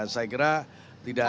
saya kira tidak